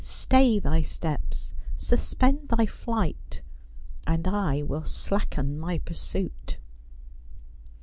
Stay thy steps, suspend thy flight, and I M'ill slacken my pursuit.